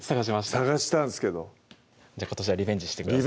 探したんですけど今年はリベンジしてください